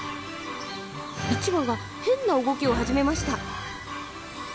１羽が変な動きを始めました。